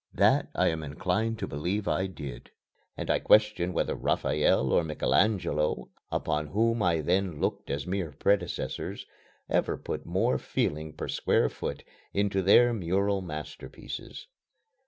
That I am inclined to believe I did; and I question whether Raphael or Michael Angelo upon whom I then looked as mere predecessors ever put more feeling per square foot into their mural masterpieces.